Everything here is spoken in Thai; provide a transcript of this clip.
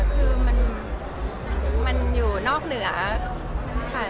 คือมันอยู่นอกเหนือค่ะ